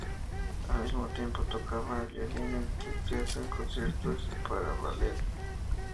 Al mismo tiempo, tocaba el violín en el teatro, en conciertos, y para ballet.